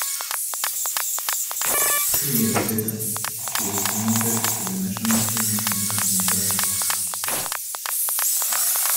Two years later, she was promoted to the national training center in Deva.